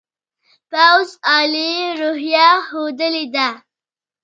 پوځ عالي روحیه ښودلې ده.